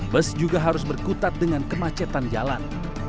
bus juga harus berkutat dengan kemacetan jalan